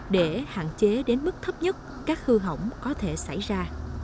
để hạn chế đến mức thấp nhất các hư hỏng có thể xảy ra